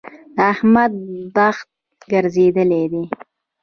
د احمد بخت ګرځېدل دی.